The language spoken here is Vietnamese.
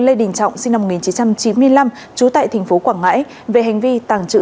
lê đình trọng sinh năm một nghìn chín trăm chín mươi năm trú tại thành phố quảng ngãi về hành vi tàng trữ